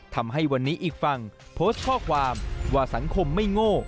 ทำให้วันนี้อีกฝั่งโพสต์ข้อความว่าสังคมไม่โง่